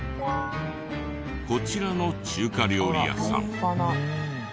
こちらの中華料理屋さん。